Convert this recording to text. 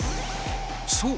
そう。